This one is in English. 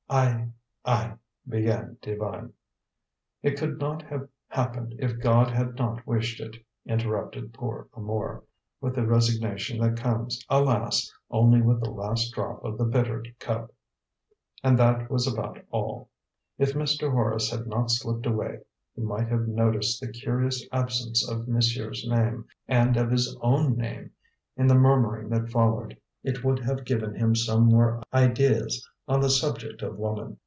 "I I " began Divine. "It could not have happened if God had not wished it," interrupted poor Amour, with the resignation that comes, alas! only with the last drop of the bitter cup. And that was about all. If Mr. Horace had not slipped away, he might have noticed the curious absence of monsieur's name, and of his own name, in the murmuring that followed. It would have given him some more ideas on the subject of woman.